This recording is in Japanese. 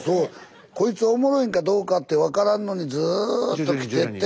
こいつおもろいんかどうかって分からんのにずっと来てて。